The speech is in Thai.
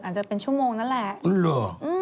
อาจจะเป็นชั่วโมงนั่นแหละ